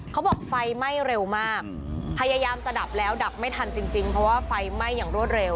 เขาบอกไฟไหม้เร็วมากพยายามจะดับแล้วดับไม่ทันจริงเพราะว่าไฟไหม้อย่างรวดเร็ว